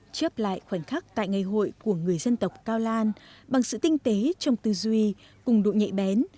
chép lại khoảnh khắc tại ngày hội của người dân tộc cao lan bằng sự tinh tế trong tư duy cùng độ nhạy bén